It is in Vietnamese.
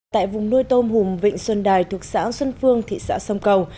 tại vùng nuôi tôm hùm vịnh xuân đài thuộc xã xuân phương thị xã sông cầu